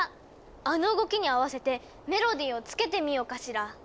あの動きに合わせてメロディーをつけてみようかしら。